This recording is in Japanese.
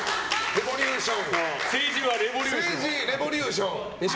政治はレボリューション。